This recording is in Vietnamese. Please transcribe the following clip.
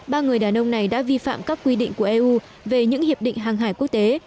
ba người đàn ông này đã vi phạm các quy định của eu về những hiệp định hàng hải quốc tế